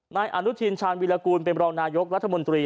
นายอนุทินชาญวิรากูลเป็นรองนายกรัฐมนตรี